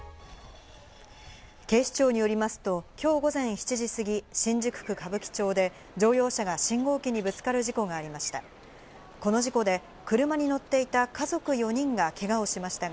警視庁によりますと今日午前７時過ぎ、新宿区歌舞伎町で乗用車が信号機にぶつかる事故がありました。